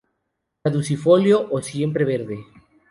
Caducifolio o siempreverde.